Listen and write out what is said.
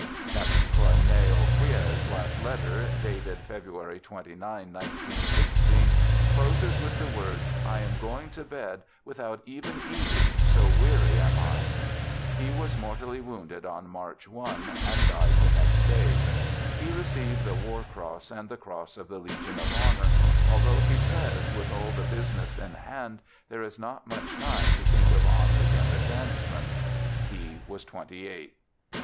Captain Cornet Auquier's last letter, dated Febru ary 29, 19 1 6, closes with the words, " I am going to bed without even eating, so weary am I." He was mortally wounded on March 1, and died the next day. He received the war cross and the cross of the Legion of Honor, although he says with all the busi ness in hand, there is not much time to think of honors and advancements. He was twenty eight.